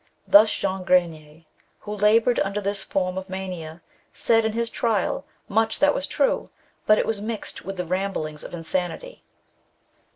Thus Jean Grenier, who laboured under this &rm of mania, said in his trial much that was true, but it was mixed with the ramblings of insanity.